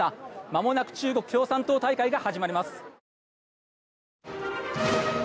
まもなく中国共産党大会が始まります。